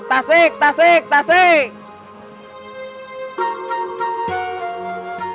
tasik tasik tasik